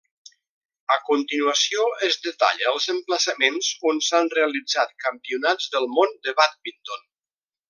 A continuació es detalla els emplaçaments on s'han realitzat Campionats del Món de bàdminton.